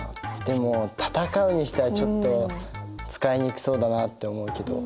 でも戦うにしてはちょっと使いにくそうだなって思うけど。